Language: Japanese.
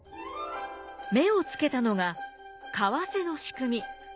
目をつけたのが為替の仕組み。